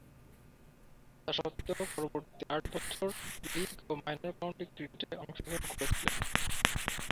তাসত্ত্বেও পরবর্তী আট বছর লীগ ও মাইনর কাউন্টি ক্রিকেটে অংশগ্রহণ করেছিলেন।